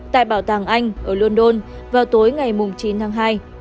tại bảo tàng anh ở london vào tối ngày chín tháng hai